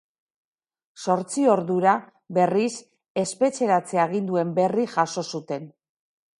Zortzi ordura, berriz, espetxeratze aginduen berri jaso zuten.